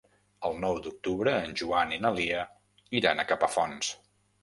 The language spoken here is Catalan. El nou d'octubre en Joan i na Lia iran a Capafonts.